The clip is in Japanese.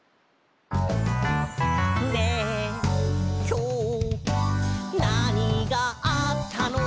「ねえ、きょう、なにがあったの？」